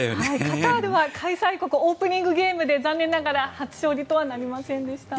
カタールは開催国オープニングゲームで残念ながら初勝利とはなりませんでした。